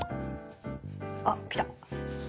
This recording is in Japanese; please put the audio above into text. あっ来た！